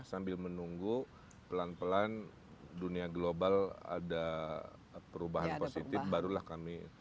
sambil menunggu pelan pelan dunia global ada perubahan positif barulah kami